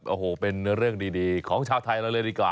โอ้โหเป็นเรื่องดีของชาวไทยเราเลยดีกว่า